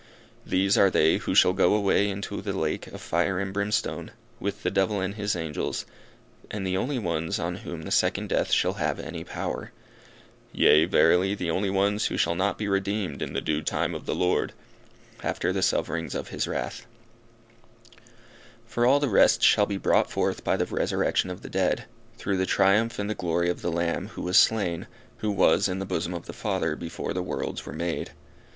These are they who shall go away into the lake of fire and brimstone, with the devil and his angels, and the only ones on whom the second death shall have any power; yea, verily, the only ones who shall not be redeemed in the due time of the Lord, after the sufferings of his wrath; for all the rest shall be brought forth by the resurrection of the dead, through the triumph and the glory of the Lamb, who was slain, who was in the bosom of the Father before the worlds were made.